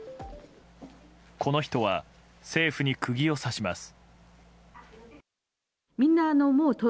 この人は政府に釘を刺します。